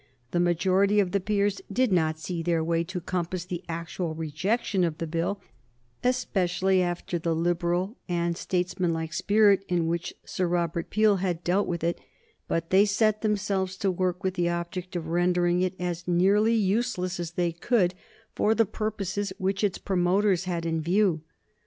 The majority of the peers did not see their way to compass the actual rejection of the Bill, especially after the liberal and statesmanlike spirit in which Sir Robert Peel had dealt with it; but they set themselves to work with the object of rendering it as nearly useless as they could for the purposes which its promoters had in view.